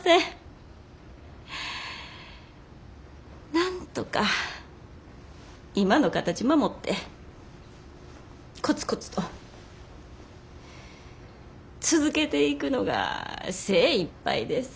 なんとか今の形守ってコツコツと続けていくのが精いっぱいです。